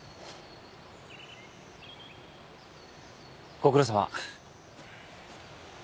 ご苦労さま。